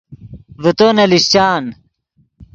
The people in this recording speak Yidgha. ڤے تو نے لیشچان